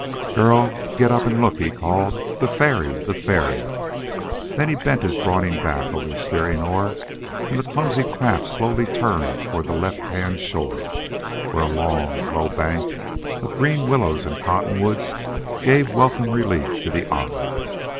"Girl! Get up and look!" he called. "The Ferry! The Ferry!" Then he bent his brawny back over the steering oar, and the clumsy craft slowly turned toward the left hand shore, where a long, low bank of green willows and cottonwoods gave welcome relief to the eyes.